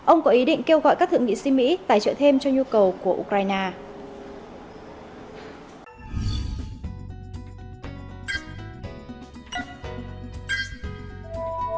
ông có ý định kêu gọi các thượng nghị si mỹ tài trợ thêm cho nhu cầu của ukraine